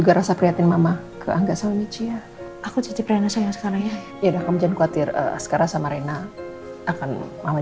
harusnya mama main sama dede askara sama aku